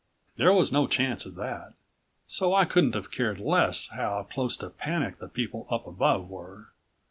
There was no chance of that, so I couldn't have cared less how close to panic the people up above were.